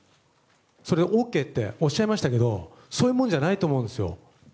それでＯＫっておっしゃいましたけどそういうもんじゃないと思うんですよ。